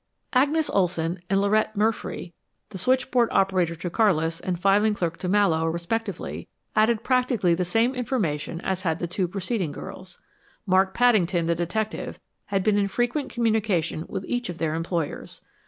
Agnes Olson and Laurette Murfree, the switchboard operator to Carlis and filing clerk to Mallowe, respectively, added practically the same information as had the two preceding girls. Mark Paddington, the detective, had been in frequent communication with each of their employers.